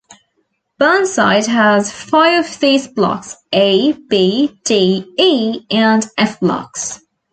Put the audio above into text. Burnside has five of these blocks: A, B, D, E and F blocks.